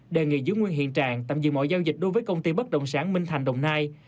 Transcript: đề nghị giữ nguyên hiện trạng tạm giữ mọi giao dịch đối với công ty bất động sản minh thành đồng nai